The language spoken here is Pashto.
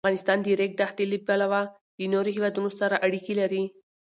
افغانستان د د ریګ دښتې له پلوه له نورو هېوادونو سره اړیکې لري.